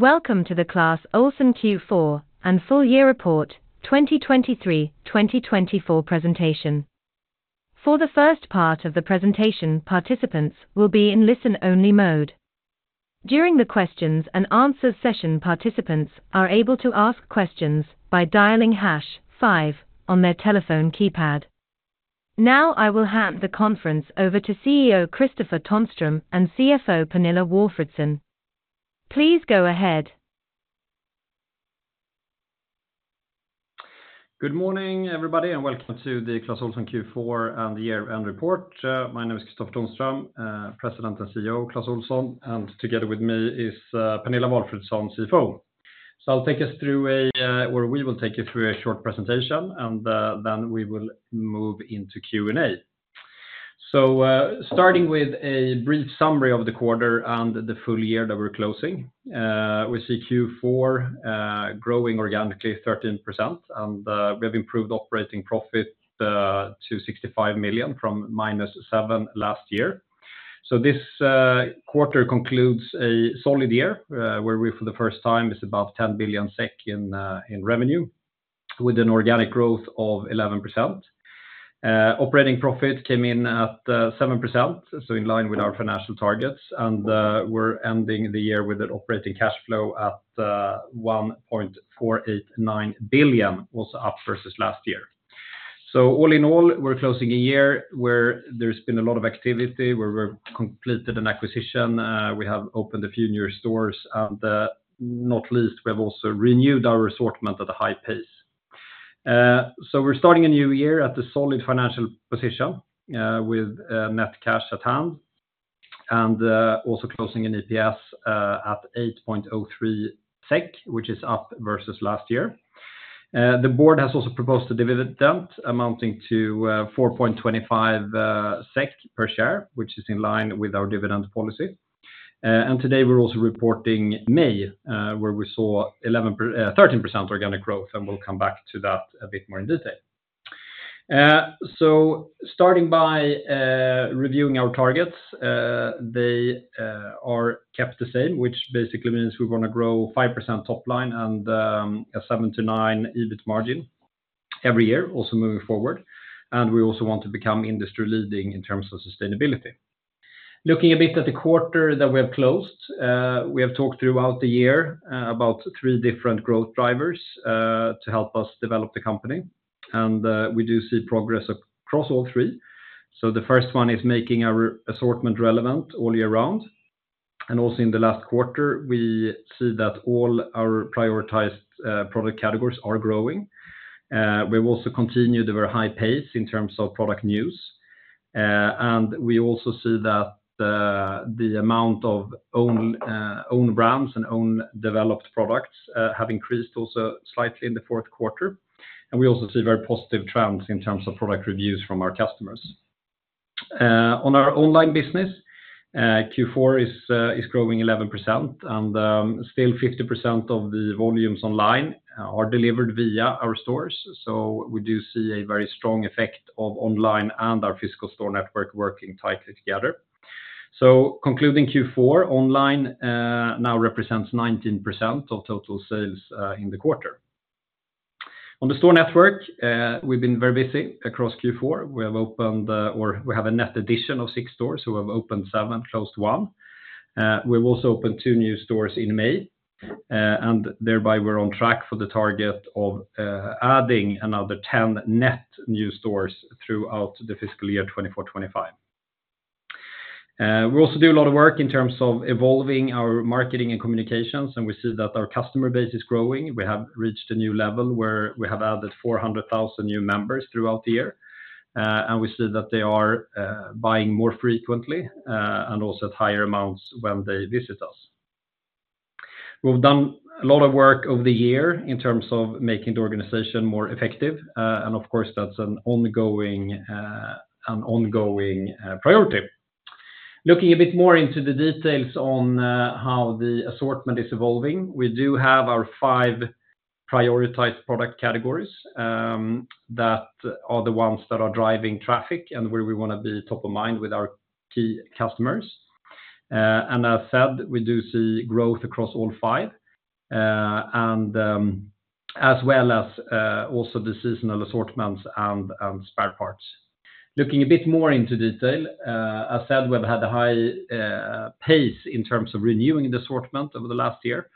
Welcome to The Clas Ohlson Q4 and Full Year Report 2023/2024 Presentation. For the first part of the presentation, participants will be in listen-only mode. During the questions and answers session, participants are able to ask questions by dialing hash five on their telephone keypad. Now, I will hand the conference over to CEO Kristofer Tonström and CFO Pernilla Walfridsson. Please go ahead. Good morning, everybody, and welcome to the Clas Ohlson Q4 and the year-end report. My name is Kristofer Tonström, President and CEO, Clas Ohlson, and together with me is Pernilla Walfridsson, CFO. So I'll take us through or we will take you through a short presentation, and then we will move into Q&A. So, starting with a brief summary of the quarter and the full year that we're closing, we see Q4 growing organically 13%, and we have improved operating profit to 65 million from -7 million last year. So this quarter concludes a solid year, where we, for the first time, is above 10 billion SEK in revenue, with an organic growth of 11%. Operating profit came in at 7%, so in line with our financial targets, and we're ending the year with an operating cash flow at 1.489 billion, also up versus last year. So all in all, we're closing a year where there's been a lot of activity, where we've completed an acquisition, we have opened a few new stores, and not least, we have also renewed our assortment at a high pace. So we're starting a new year at the solid financial position, with net cash at hand, and also closing an EPS at 8.03 SEK, which is up versus last year. The board has also proposed a dividend amounting to 4.25 SEK per share, which is in line with our dividend policy. And today we're also reporting May, where we saw 13% organic growth, and we'll come back to that a bit more in detail. So starting by reviewing our targets, they are kept the same, which basically means we wanna grow 5% top line and a 7%-9% EBIT margin every year, also moving forward. And we also want to become industry leading in terms of sustainability. Looking a bit at the quarter that we have closed, we have talked throughout the year about three different growth drivers to help us develop the company, and we do see progress across all three. So the first one is making our assortment relevant all year round. And also in the last quarter, we see that all our prioritized product categories are growing. We've also continued the very high pace in terms of product news, and we also see that the amount of own brands and own developed products have increased also slightly in the fourth quarter. We also see very positive trends in terms of product reviews from our customers. On our online business, Q4 is growing 11%, and still 50% of the volumes online are delivered via our stores. So we do see a very strong effect of online and our physical store network working tightly together. So concluding Q4, online now represents 19% of total sales in the quarter. On the store network, we've been very busy across Q4. We have opened, or we have a net addition of six stores, so we have opened seven, closed one. We've also opened two new stores in May, and thereby we're on track for the target of adding another 10 net new stores throughout the fiscal year 2025. We also do a lot of work in terms of evolving our marketing and communications, and we see that our customer base is growing. We have reached a new level where we have added 400,000 new members throughout the year, and we see that they are buying more frequently, and also at higher amounts when they visit us. We've done a lot of work over the year in terms of making the organization more effective, and of course, that's an ongoing priority. Looking a bit more into the details on how the assortment is evolving, we do have our five prioritized product categories that are the ones that are driving traffic and where we wanna be top of mind with our key customers. And as said, we do see growth across all five, and as well as also the seasonal assortments and spare parts. Looking a bit more into detail, as said, we've had a high pace in terms of renewing the assortment over the last year.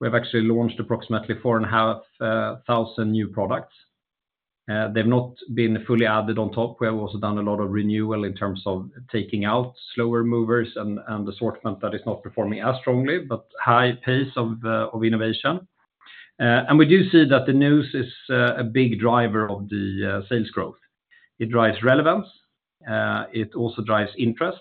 We have actually launched approximately 4,500 new products. They've not been fully added on top. We have also done a lot of renewal in terms of taking out slower movers and assortment that is not performing as strongly, but high pace of innovation. And we do see that the news is a big driver of the sales growth. It drives relevance, it also drives interest,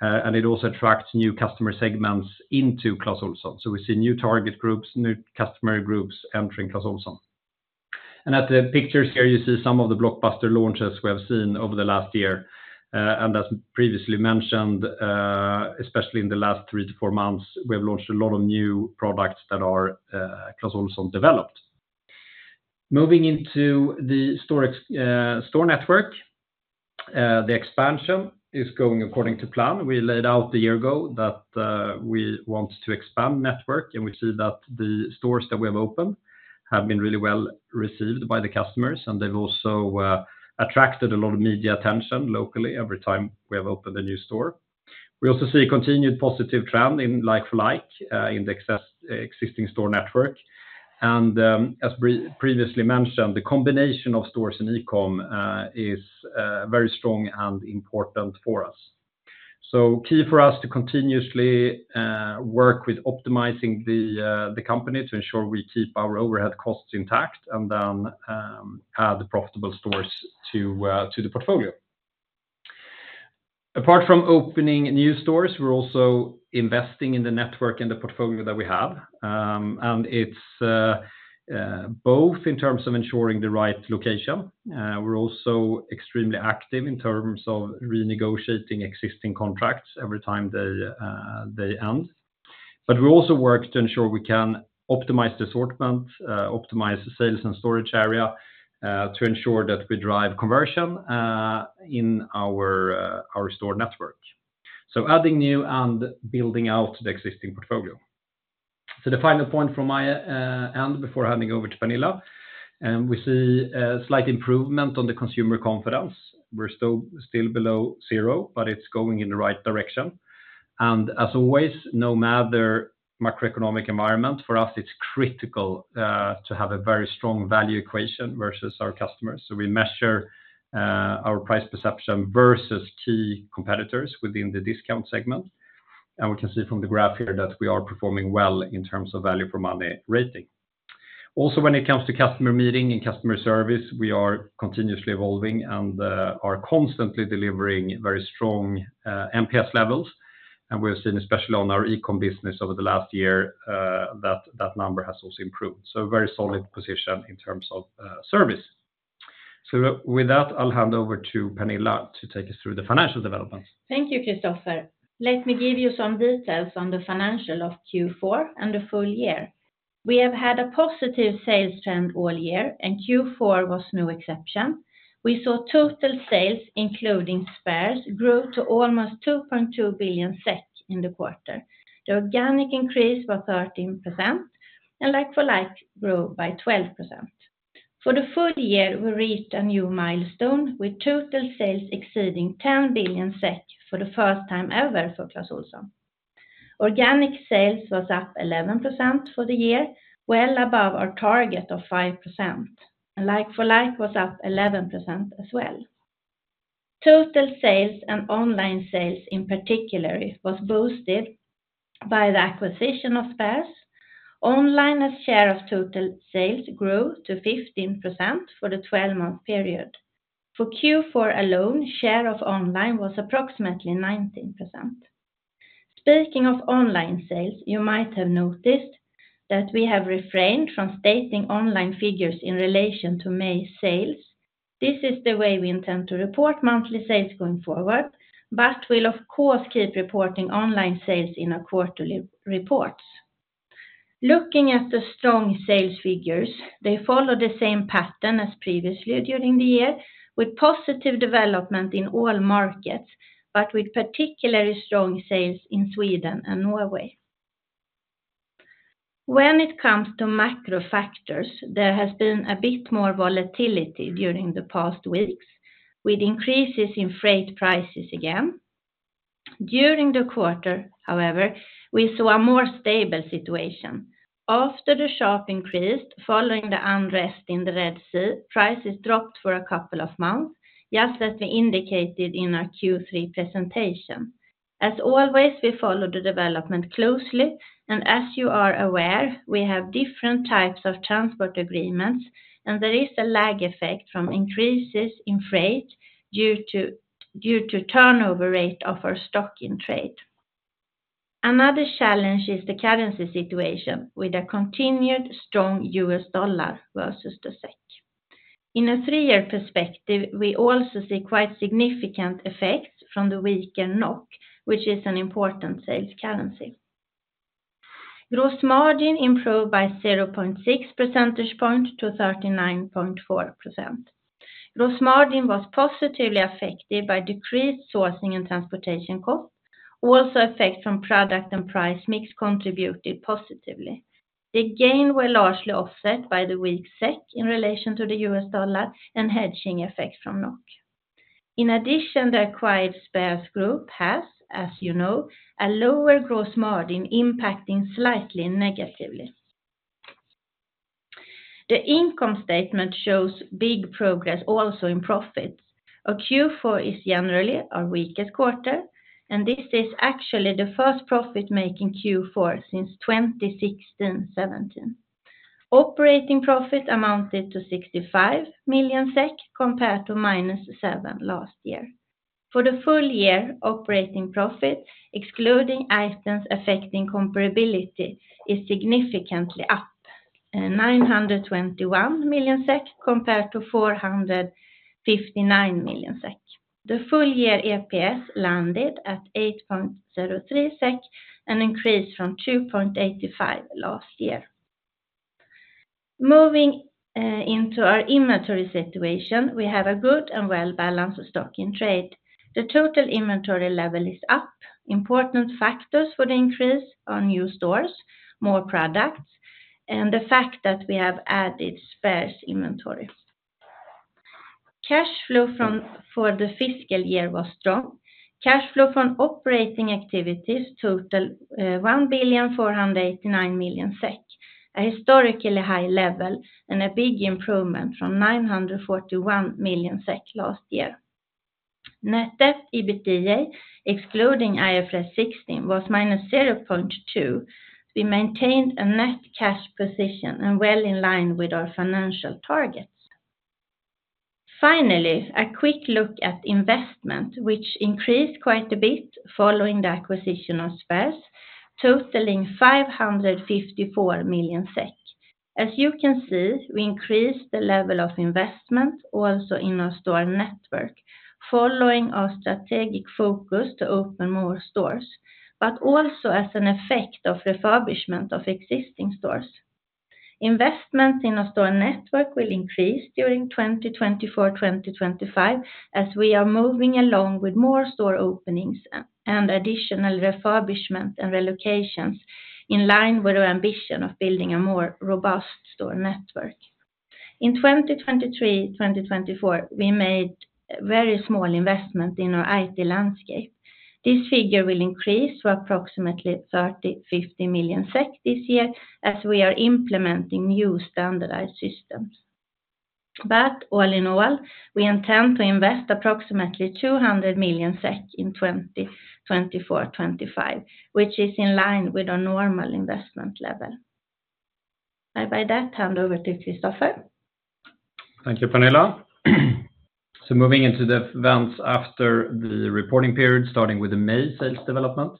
and it also attracts new customer segments into Clas Ohlson. So we see new target groups, new customer groups entering Clas Ohlson. And at the pictures here, you see some of the blockbuster launches we have seen over the last year, and as previously mentioned, especially in the last 3 months-4 months, we have launched a lot of new products that are Clas Ohlson developed. Moving into the store expansion, store network, the expansion is going according to plan. We laid out a year ago that we want to expand network, and we see that the stores that we have opened have been really well received by the customers, and they've also attracted a lot of media attention locally every time we have opened a new store. We also see a continued positive trend in like-for-like in the existing store network. As previously mentioned, the combination of stores and e-com is very strong and important for us. So key for us to continuously work with optimizing the company to ensure we keep our overhead costs intact and then add profitable stores to the portfolio. Apart from opening new stores, we're also investing in the network and the portfolio that we have, and it's both in terms of ensuring the right location, we're also extremely active in terms of renegotiating existing contracts every time they end. But we also work to ensure we can optimize the assortment, optimize the sales and storage area, to ensure that we drive conversion in our store network. So adding new and building out the existing portfolio. So the final point from my end before handing over to Pernilla, we see a slight improvement on the consumer confidence. We're still, still below zero, but it's going in the right direction. And as always, no matter macroeconomic environment, for us, it's critical to have a very strong value equation versus our customers. So we measure our price perception versus key competitors within the discount segment. And we can see from the graph here that we are performing well in terms of value for money rating. Also, when it comes to customer meeting and customer service, we are continuously evolving and are constantly delivering very strong NPS levels. And we've seen, especially on our e-com business over the last year, that that number has also improved. So a very solid position in terms of service. So with that, I'll hand over to Pernilla to take us through the financial developments. Thank you, Kristofer. Let me give you some details on the financial of Q4 and the full year. We have had a positive sales trend all year, and Q4 was no exception. We saw total sales, including Spares, grew to almost 2.2 billion SEK in the quarter. The organic increase was 13%, and like-for-like grew by 12%. For the full year, we reached a new milestone, with total sales exceeding 10 billion SEK for the first time ever for Clas Ohlson. Organic sales was up 11% for the year, well above our target of 5%, and like-for-like was up 11% as well. Total sales and online sales, in particular, was boosted by the acquisition of Spares. Online, as share of total sales, grew to 15% for the twelve-month period. For Q4 alone, share of online was approximately 19%. Speaking of online sales, you might have noticed that we have refrained from stating online figures in relation to May sales. This is the way we intend to report monthly sales going forward, but we'll, of course, keep reporting online sales in our quarterly reports. Looking at the strong sales figures, they follow the same pattern as previously during the year, with positive development in all markets, but with particularly strong sales in Sweden and Norway. When it comes to macro factors, there has been a bit more volatility during the past weeks, with increases in freight prices again. During the quarter, however, we saw a more stable situation. After the sharp increase, following the unrest in the Red Sea, prices dropped for a couple of months, just as we indicated in our Q3 presentation. As always, we follow the development closely, and as you are aware, we have different types of transport agreements, and there is a lag effect from increases in freight due to turnover rate of our stock in trade. Another challenge is the currency situation, with a continued strong U.S. dollar versus the SEK. In a 3-year perspective, we also see quite significant effects from the weaker NOK, which is an important sales currency. Gross margin improved by 0.6 percentage points to 39.4%. Gross margin was positively affected by decreased sourcing and transportation costs; also, effects from product and price mix contributed positively. The gains were largely offset by the weak SEK in relation to the U.S. dollar and hedging effects from NOK. In addition, the acquired Spares Group has, as you know, a lower gross margin impacting slightly negatively. The income statement shows big progress also in profits. Our Q4 is generally our weakest quarter, and this is actually the first profit-making Q4 since 2016, 2017. Operating profit amounted to 65 million SEK, compared to -7 million last year. For the full year, operating profit, excluding items affecting comparability, is significantly up, 921 million SEK compared to 459 million SEK. The full year EPS landed at 8.03 SEK, an increase from 2.85 last year. Moving into our inventory situation, we have a good and well-balanced stock in trade. The total inventory level is up. Important factors for the increase are new stores, more products, and the fact that we have added Spares inventory. Cash flow for the fiscal year was strong. Cash flow from operating activities total 1.489 billion, a historically high level and a big improvement from 941 million SEK last year. Net debt/EBITDA, excluding IFRS 16, was minus 0.2. We maintained a net cash position and well in line with our financial targets. Finally, a quick look at investment, which increased quite a bit following the acquisition of Spares, totaling 554 million SEK. As you can see, we increased the level of investment also in our store network, following our strategic focus to open more stores, but also as an effect of refurbishment of existing stores. Investment in our store network will increase during 2024-2025, as we are moving along with more store openings and additional refurbishment and relocations in line with our ambition of building a more robust store network. In 2023-2024, we made very small investment in our IT landscape. This figure will increase to approximately 30 million-50 million SEK this year as we are implementing new standardized systems. But all in all, we intend to invest approximately 200 million SEK in 2024-2025, which is in line with our normal investment level. I, by that, hand over to Kristofer. Thank you, Pernilla. So moving into the events after the reporting period, starting with the May sales development.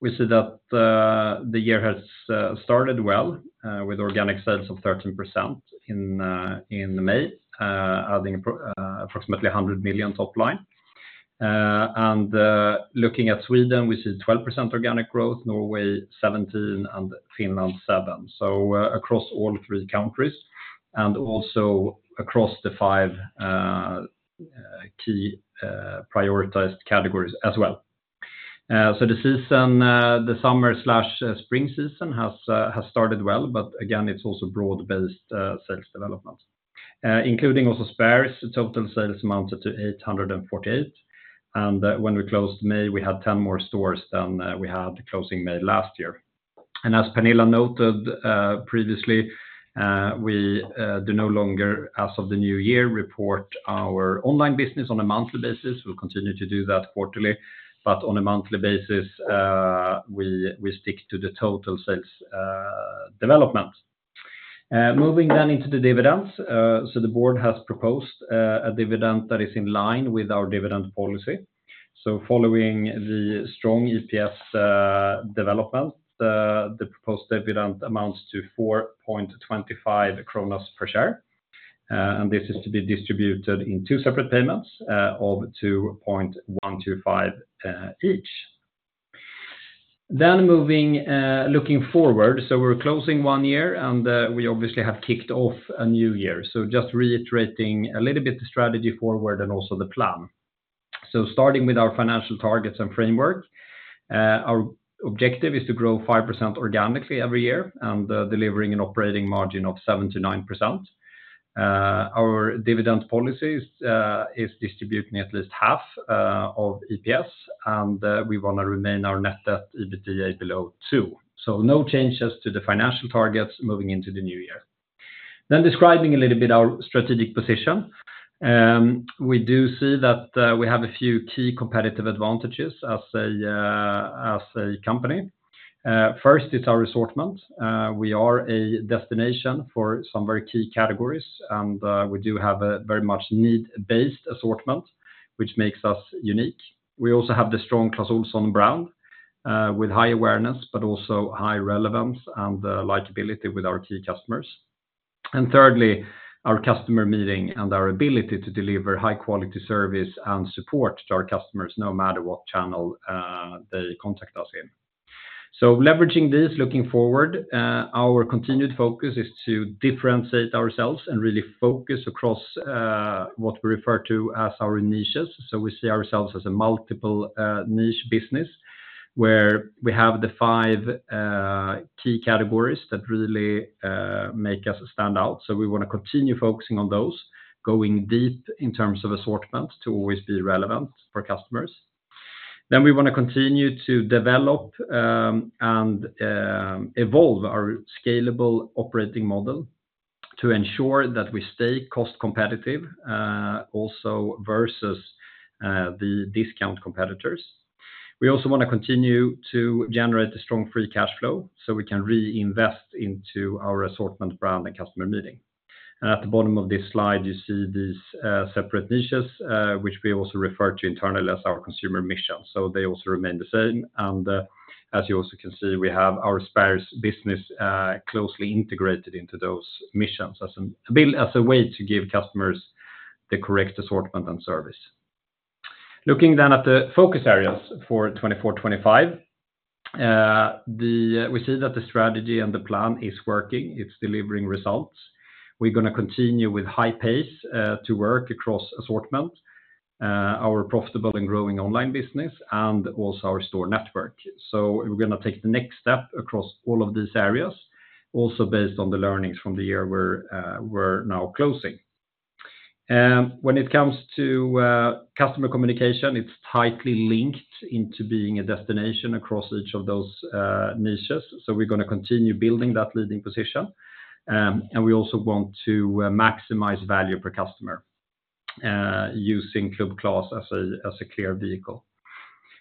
We see that the year has started well with organic sales of 13% in May, adding approximately 100 million top line. Looking at Sweden, we see 12% organic growth, Norway 17%, and Finland 7%. Across all three countries and also across the five key prioritized categories as well. The season, the summer/spring season has started well, but again, it's also broad-based sales development. Including also Spares, total sales amounted to 848 million, and when we closed May, we had 10 more stores than we had closing May last year. As Pernilla noted, previously, we do no longer, as of the new year, report our online business on a monthly basis. We'll continue to do that quarterly, but on a monthly basis, we stick to the total sales development. Moving then into the dividends, so the board has proposed a dividend that is in line with our dividend policy. So following the strong EPS development, the proposed dividend amounts to 4.25 per share, and this is to be distributed in two separate payments of 2.125 each. Then moving, looking forward, so we're closing one year, and we obviously have kicked off a new year. So just reiterating a little bit the strategy forward and also the plan. Starting with our financial targets and framework, our objective is to grow 5% organically every year and delivering an operating margin of 7%-9%. Our dividend policies is distributing at least half of EPS, and we want to remain our net debt EBITDA below 2. So no changes to the financial targets moving into the new year. Then describing a little bit our strategic position, we do see that we have a few key competitive advantages as a company. First, it's our assortment. We are a destination for some very key categories, and we do have a very much need-based assortment, which makes us unique. We also have the strong Clas Ohlson brand with high awareness, but also high relevance and likability with our key customers. And thirdly, our customer meeting and our ability to deliver high-quality service and support to our customers no matter what channel they contact us in. So leveraging this, looking forward, our continued focus is to differentiate ourselves and really focus across what we refer to as our niches. So we see ourselves as a multiple niche business, where we have the five key categories that really make us stand out. So we want to continue focusing on those, going deep in terms of assortment to always be relevant for customers. Then we want to continue to develop and evolve our scalable operating model to ensure that we stay cost competitive also versus the discount competitors. We also want to continue to generate a strong free cash flow, so we can reinvest into our assortment brand and customer meeting. And at the bottom of this slide, you see these separate niches, which we also refer to internally as our consumer mission. So they also remain the same, and as you also can see, we have our Spares business closely integrated into those missions as a way to give customers the correct assortment and service. Looking then at the focus areas for 2024-2025, we see that the strategy and the plan is working; it's delivering results. We're gonna continue with high pace to work across assortment, our profitable and growing online business, and also our store network. So we're gonna take the next step across all of these areas, also based on the learnings from the year we're now closing. When it comes to customer communication, it's tightly linked into being a destination across each of those niches. So we're gonna continue building that leading position. And we also want to maximize value per customer using Club Clas as a clear vehicle.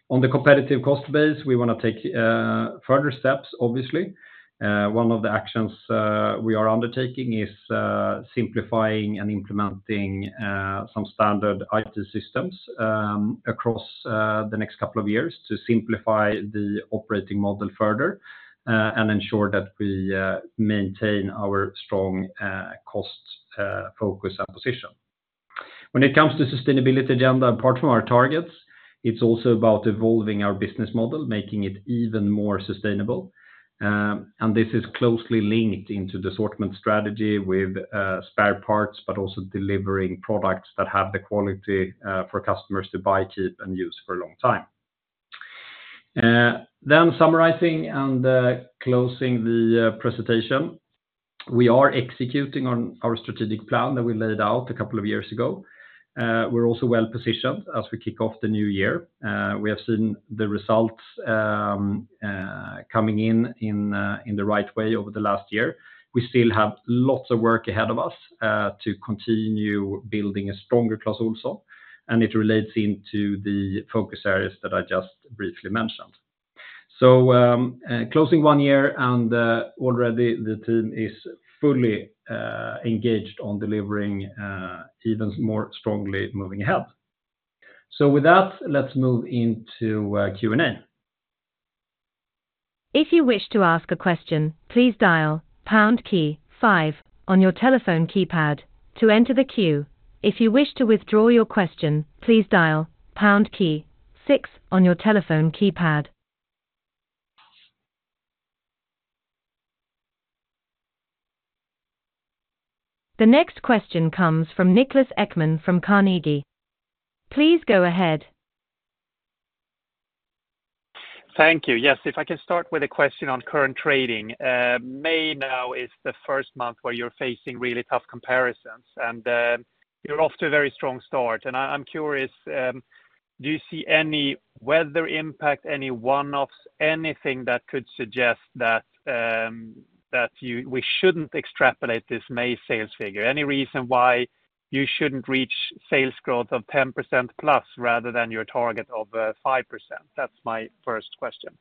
On the competitive cost base, we wanna take further steps, obviously. One of the actions we are undertaking is simplifying and implementing some standard IT systems across the next couple of years to simplify the operating model further and ensure that we maintain our strong cost focus and position. When it comes to sustainability agenda, apart from our targets, it's also about evolving our business model, making it even more sustainable. And this is closely linked into the assortment strategy with spare parts, but also delivering products that have the quality for customers to buy, keep, and use for a long time. Then summarizing and closing the presentation, we are executing on our strategic plan that we laid out a couple of years ago. We're also well-positioned as we kick off the new year. We have seen the results coming in in the right way over the last year. We still have lots of work ahead of us to continue building a stronger Clas Ohlson, and it relates into the focus areas that I just briefly mentioned. So, closing one year and already the team is fully engaged on delivering even more strongly moving ahead. So with that, let's move into Q&A. If you wish to ask a question, please dial pound key five on your telephone keypad to enter the queue. If you wish to withdraw your question, please dial pound key six on your telephone keypad. The next question comes from Niklas Ekman from Carnegie. Please go ahead. Thank you. Yes, if I can start with a question on current trading. May now is the first month where you're facing really tough comparisons, and you're off to a very strong start. I'm curious, do you see any weather impact, any one-offs, anything that could suggest that you—we shouldn't extrapolate this May sales figure? Any reason why you shouldn't reach sales growth of 10% plus, rather than your target of 5%? That's my first question.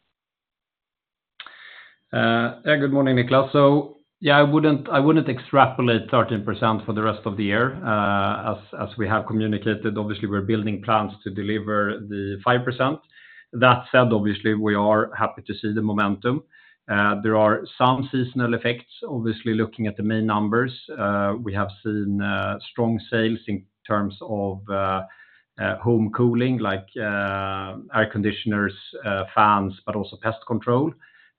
Yeah, good morning, Niklas. So, yeah, I wouldn't extrapolate 13% for the rest of the year. As we have communicated, obviously, we're building plans to deliver the 5%. That said, obviously, we are happy to see the momentum. There are some seasonal effects. Obviously, looking at the main numbers, we have seen strong sales in terms of home cooling, like air conditioners, fans, but also pest control,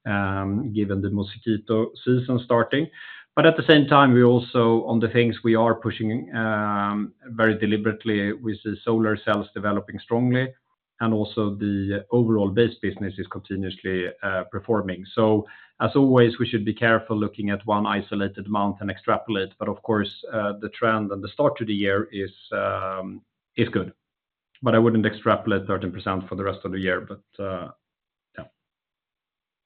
given the mosquito season starting. But at the same time, we also, on the things we are pushing very deliberately, we see solar cells developing strongly, and also the overall base business is continuously performing. So as always, we should be careful looking at one isolated amount and extrapolate, but of course, the trend and the start to the year is good. But I wouldn't extrapolate 13% for the rest of the year. But, yeah.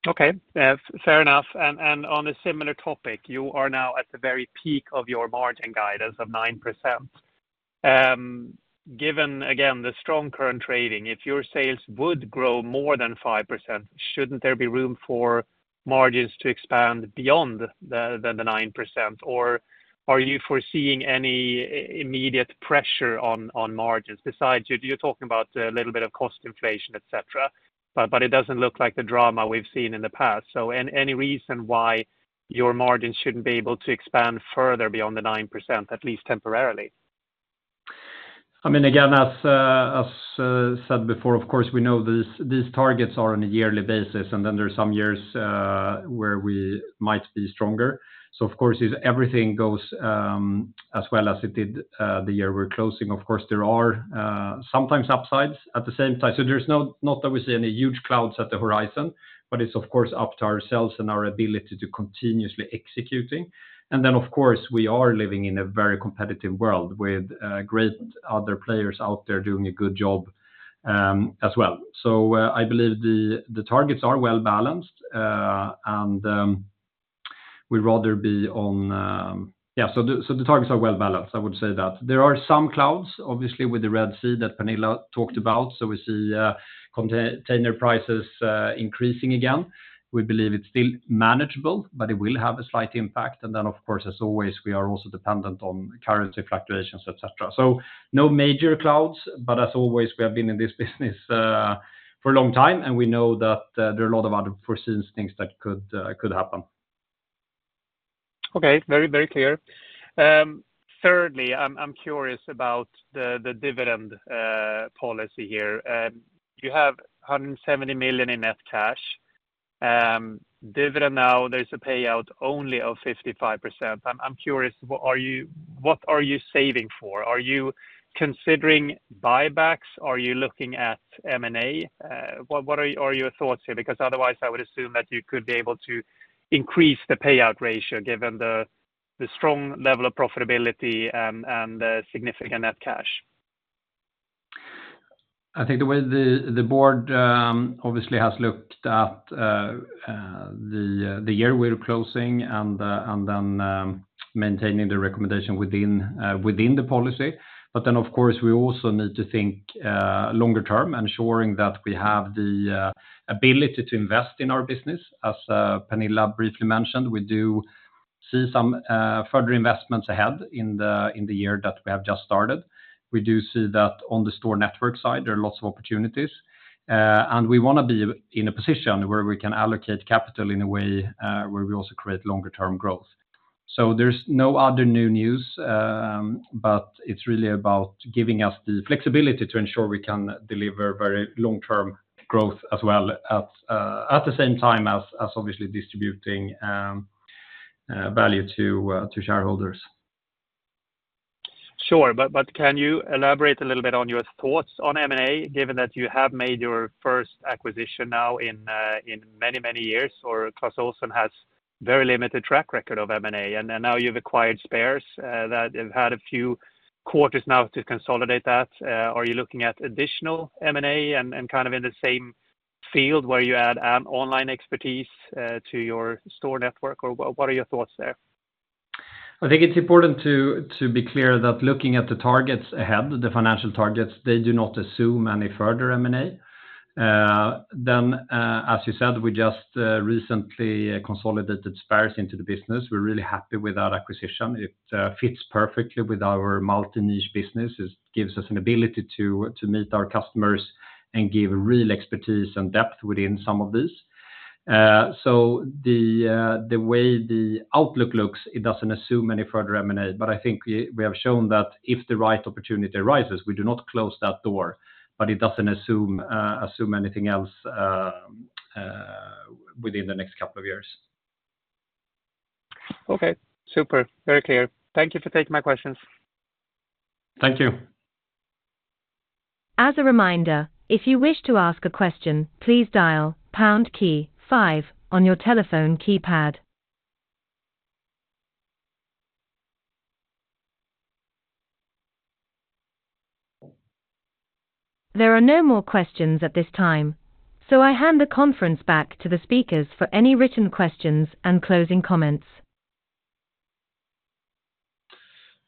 Okay, yeah, fair enough. And on a similar topic, you are now at the very peak of your margin guide as of 9%. Given, again, the strong current trading, if your sales would grow more than 5%, shouldn't there be room for margins to expand beyond the 9%? Or are you foreseeing any immediate pressure on margins? Besides, you're talking about a little bit of cost inflation, et cetera, but it doesn't look like the drama we've seen in the past. So any reason why your margins shouldn't be able to expand further beyond the 9%, at least temporarily? I mean, again, as, as, said before, of course, we know these, these targets are on a yearly basis, and then there are some years where we might be stronger. So of course, if everything goes as well as it did the year we're closing, of course, there are sometimes upsides at the same time. So there's no, not that we see any huge clouds at the horizon, but it's of course up to ourselves and our ability to continuously executing. And then, of course, we are living in a very competitive world with great other players out there doing a good job as well. So I believe the, the targets are well balanced, and we'd rather be on... Yeah, so the, so the targets are well balanced, I would say that. There are some clouds, obviously, with the Red Sea that Pernilla talked about, so we see, container prices, increasing again. We believe it's still manageable, but it will have a slight impact. And then, of course, as always, we are also dependent on currency fluctuations, et cetera. So no major clouds, but as always, we have been in this business, for a long time, and we know that, there are a lot of other unforeseen things that could, could happen. Okay, very, very clear. Thirdly, I'm, I'm curious about the, the dividend policy here. You have 170 million in net cash. Dividend now, there's a payout only of 55%. I'm, I'm curious, what are you— what are you saving for? Are you considering buybacks? Are you looking at M&A? What, what are, are your thoughts here? Because otherwise, I would assume that you could be able to increase the payout ratio, given the, the strong level of profitability and, and the significant net cash. I think the way the board obviously has looked at the year we're closing and then maintaining the recommendation within the policy. But then, of course, we also need to think longer term, ensuring that we have the ability to invest in our business. As Pernilla briefly mentioned, we do see some further investments ahead in the year that we have just started. We do see that on the store network side, there are lots of opportunities, and we wanna be in a position where we can allocate capital in a way where we also create longer term growth. There's no other new news, but it's really about giving us the flexibility to ensure we can deliver very long-term growth as well at the same time as obviously distributing value to shareholders. Sure. But, but can you elaborate a little bit on your thoughts on M&A, given that you have made your first acquisition now in, in many, many years, or Clas Ohlson has very limited track record of M&A, and then now you've acquired Spares, that have had a few quarters now to consolidate that. Are you looking at additional M&A and, and kind of in the same field where you add, online expertise, to your store network, or what, what are your thoughts there? I think it's important to be clear that looking at the targets ahead, the financial targets, they do not assume any further M&A. Then, as you said, we just recently consolidated Spares into the business. We're really happy with that acquisition. It fits perfectly with our multi-niche business. It gives us an ability to meet our customers and give real expertise and depth within some of these. So the way the outlook looks, it doesn't assume any further M&A, but I think we have shown that if the right opportunity arises, we do not close that door, but it doesn't assume anything else within the next couple of years. Okay, super, very clear. Thank you for taking my questions. Thank you. As a reminder, if you wish to ask a question, please dial pound key five on your telephone keypad. There are no more questions at this time, so I hand the conference back to the speakers for any written questions and closing comments.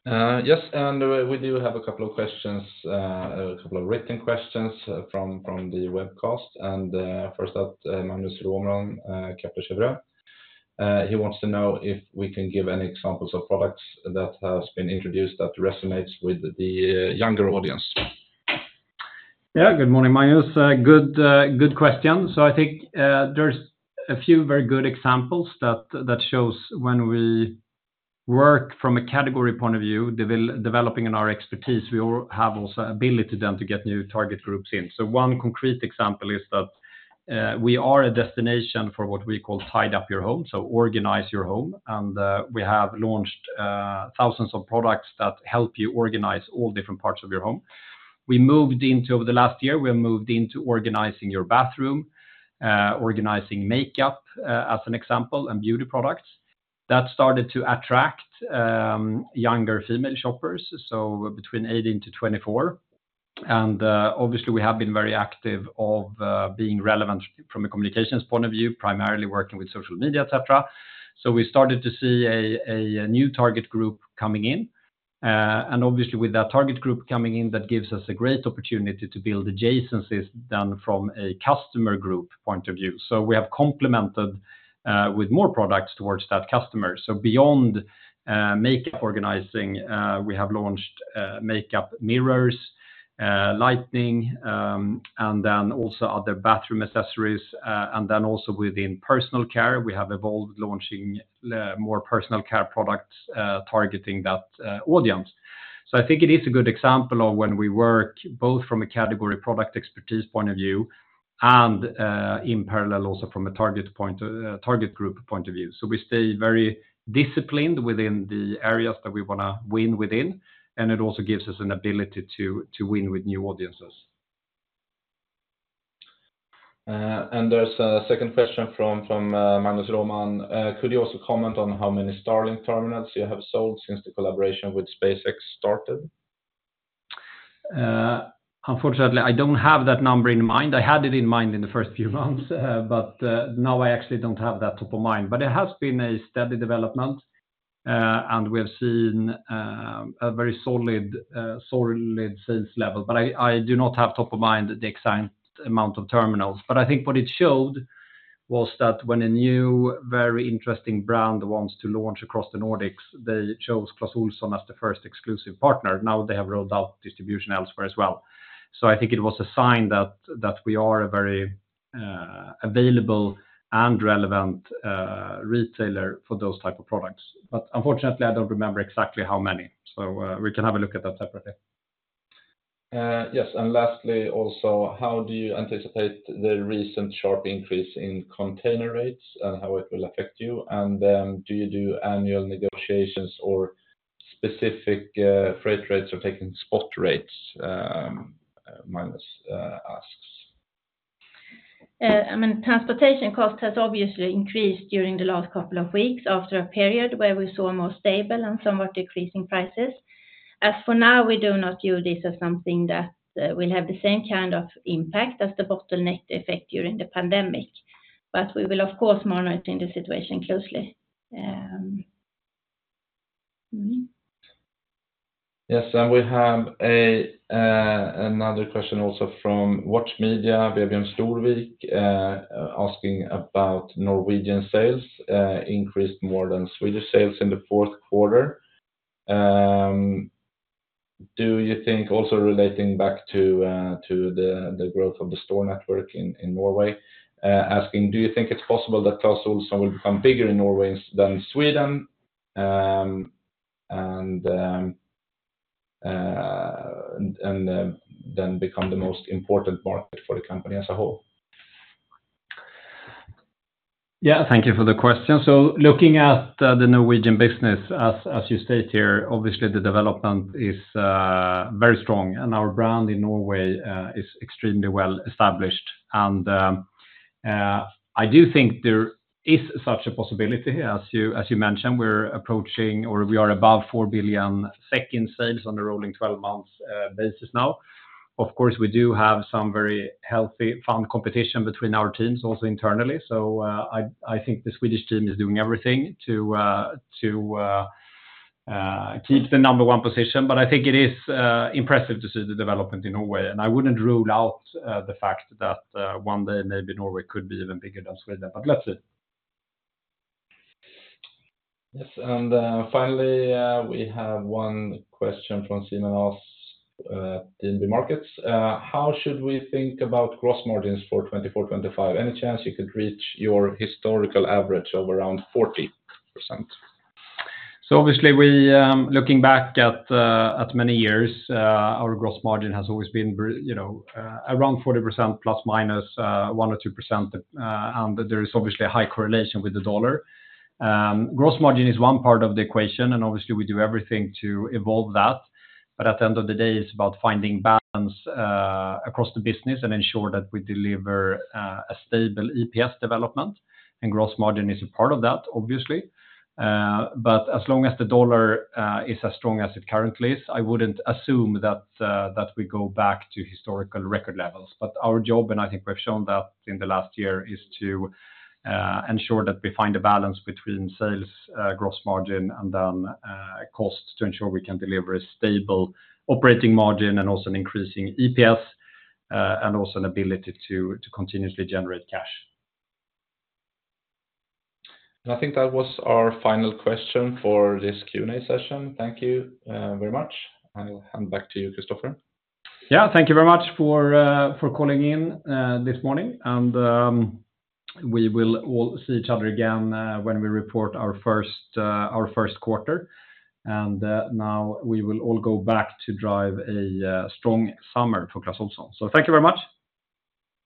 Yes, and we do have a couple of questions, a couple of written questions from the webcast. First up, Magnus Råman, Kepler Cheuvreux. He wants to know if we can give any examples of products that has been introduced that resonates with the younger audience. Yeah, good morning, Magnus. Good question. So I think, there's a few very good examples that shows when we work from a category point of view, developing in our expertise, we all have also ability then to get new target groups in. So one concrete example is that we are a destination for what we call tidy up your home, so organize your home, and we have launched thousands of products that help you organize all different parts of your home. Over the last year, we moved into organizing your bathroom, organizing makeup, as an example, and beauty products. That started to attract younger female shoppers, so between 18-24. And, obviously, we have been very active of being relevant from a communications point of view, primarily working with social media, et cetera. So we started to see a new target group coming in, and obviously, with that target group coming in, that gives us a great opportunity to build adjacencies than from a customer group point of view. So we have complemented with more products towards that customer. So beyond makeup organizing, we have launched makeup mirrors, lighting, and then also other bathroom accessories, and then also within personal care, we have evolved, launching more personal care products, targeting that audience. So I think it is a good example of when we work both from a category product expertise point of view and, in parallel, also from a target point, target group point of view. So we stay very disciplined within the areas that we wanna win within, and it also gives us an ability to, to win with new audiences. And there's a second question from Magnus Råman. Could you also comment on how many Starlink terminals you have sold since the collaboration with SpaceX started? Unfortunately, I don't have that number in mind. I had it in mind in the first few months, but, now I actually don't have that top of mind. But it has been a steady development, and we have seen, a very solid, solidly sales level. But I do not have top of mind the exact amount of terminals. But I think what it showed was that when a new, very interesting brand wants to launch across the Nordics, they chose Clas Ohlson as the first exclusive partner. Now, they have rolled out distribution elsewhere as well. So I think it was a sign that we are a very- available and relevant, retailer for those type of products. But unfortunately, I don't remember exactly how many, so, we can have a look at that separately. Yes, and lastly, also, how do you anticipate the recent sharp increase in container rates, and how it will affect you? And, do you do annual negotiations or specific freight rates or taking spot rates, minus asks? I mean, transportation cost has obviously increased during the last couple of weeks, after a period where we saw more stable and somewhat decreasing prices. As for now, we do not view this as something that will have the same kind of impact as the bottleneck effect during the pandemic. But we will, of course, monitoring the situation closely. Yes, and we have another question also from Watch Media, Vivian Storvik, asking about Norwegian sales increased more than Swedish sales in the fourth quarter. Do you think also relating back to the growth of the store network in Norway, asking, do you think it's possible that Clas Ohlson will become bigger in Norway than in Sweden, and then become the most important market for the company as a whole? Yeah, thank you for the question. So looking at the Norwegian business as you state here, obviously the development is very strong, and our brand in Norway is extremely well-established. And I do think there is such a possibility. As you mentioned, we're approaching or we are above 4 billion in sales on a rolling 12 months basis now. Of course, we do have some very healthy, fun competition between our teams, also internally. So I think the Swedish team is doing everything to keep the number one position, but I think it is impressive to see the development in Norway, and I wouldn't rule out the fact that one day, maybe Norway could be even bigger than Sweden, but let's see. Yes, and finally, we have one question from Sina Aas from TDN Direkt. How should we think about gross margins for 2024-2025? Any chance you could reach your historical average of around 40%? So obviously, we, looking back at many years, our gross margin has always been very, you know, around 40%, plus minus 1 or 2%. And there is obviously a high correlation with the U.S. dollar. Gross margin is one part of the equation, and obviously, we do everything to evolve that, but at the end of the day, it's about finding balance across the business and ensure that we deliver a stable EPS development, and gross margin is a part of that, obviously. But as long as the U.S. dollar is as strong as it currently is, I wouldn't assume that we go back to historical record levels. But our job, and I think we've shown that in the last year, is to ensure that we find a balance between sales, gross margin, and costs to ensure we can deliver a stable operating margin and also an increasing EPS, and also an ability to continuously generate cash. I think that was our final question for this Q&A session. Thank you, very much. I'll hand back to you, Kristofer. Yeah, thank you very much for calling in this morning, and we will all see each other again when we report our first quarter. And now we will all go back to drive a strong summer for Clas Ohlson. So thank you very much!